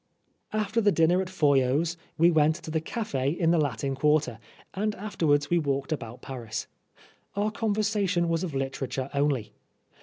After the dinner at Foyot's we went to the cafes of the Latin Quarter, and afterwards we walked about Paris. Our conversation was of literature only.